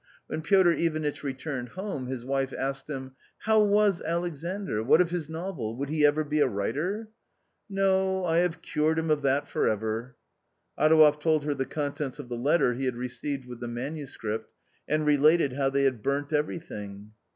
When Piotr Ivanitch returned home, his wife asked him :" How was Alexandr, what of his novel, would he ever be a writer ?"" No, I have cured him of that for ever." Adouev told her the contents of the letter he had received with the manuscript, and related how they had burnt every thing.